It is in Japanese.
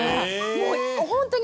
「もう本当に。